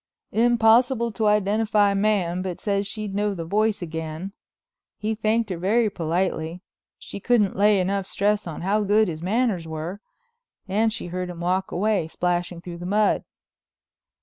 "Impossible to identify man but says she'd know the voice again. He thanked her very politely—she couldn't lay enough stress on how good his manners were—and she heard him walk away, splashing through the mud."